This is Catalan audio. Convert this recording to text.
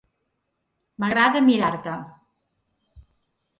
M'agrada mirar-te.